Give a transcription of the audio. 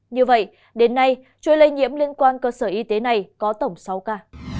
như vậy đến nay chuỗi lây nhiễm liên quan cơ sở y tế này có tổng sáu ca